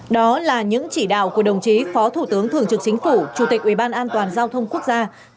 đó là những chỉ đạo của đồng chí phó thủ tướng thường trực chính phủ chủ tịch uban giao thông quốc gia